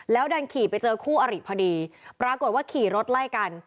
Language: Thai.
ดันขี่ไปเจอคู่อริพอดีปรากฏว่าขี่รถไล่กัน